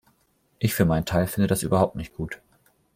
Ich für meinen Teil finde das überhaupt nicht gut.